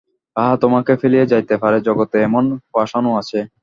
আহা, তোমাকে ফেলিয়া যাইতে পারে, জগতে এমন পাষাণও আছে!